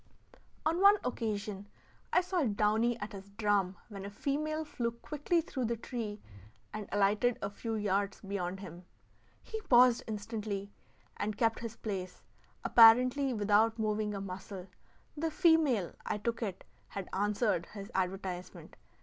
On one occasion I saw downy at his drum when a female flew quickly through the tree and alighted a few yards beyond him. He paused instantly, and kept his place, apparently without moving a muscle. The female, I took it, had answered his advertisement.